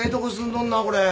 どんなこれ。